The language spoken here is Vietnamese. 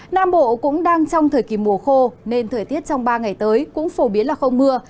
nam bộ cũng đang trong thời kỳ mùa khô nên thời tiết trong ba ngày tới cũng phổ biến là không mưa